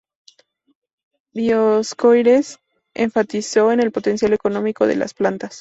Dioscorides enfatizó en el potencial económico de las plantas.